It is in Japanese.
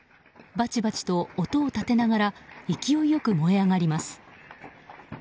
バチバチと音を立てながら勢いよく燃え上がります。